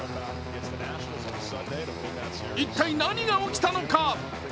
一体、何が起きたのか？